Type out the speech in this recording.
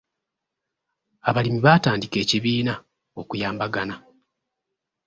Abalimi baatandika ekibiina okuyambagana.